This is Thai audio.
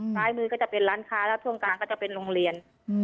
ซ้ายมือก็จะเป็นร้านค้าแล้วช่วงกลางก็จะเป็นโรงเรียน